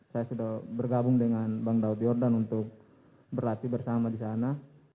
saya sudah bergabung dengan bang daud yordan untuk berlatih bersama di sana